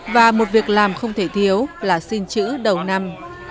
và một việc làm không thể thiếu là xin chữ đầu năm